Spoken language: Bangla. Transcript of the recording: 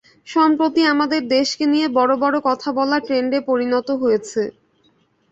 সম্প্রতি, আমাদের দেশকে নিয়ে বড়ো বড়ো কথা বলা ট্রেন্ডে পরিণত হয়েছে।